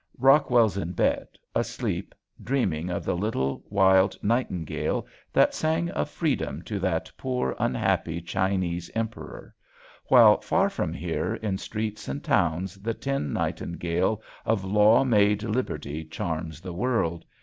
Rockwell's in bed, asleep, dreaming of the little, wild nightingale that sang of freedom to that poor, unhappy Chinese Emperor; while far from here in streets and towns the tin nightingale of law made liberty charms the world.